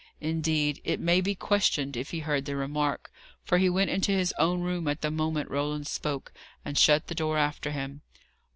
Indeed, it may be questioned if he heard the remark, for he went into his own room at the moment Roland spoke, and shut the door after him.